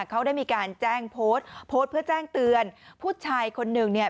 เขาได้มีการแจ้งโพสต์โพสต์เพื่อแจ้งเตือนผู้ชายคนหนึ่งเนี่ย